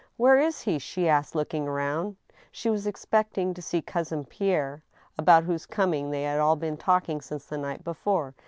" Where is he ?" she asked, looking round. She was expecting to see Cousin Pierre, about whose coming they had all been talking since the night before.